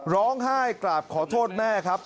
ร้องไห้กราบขอโทษแม่ครับ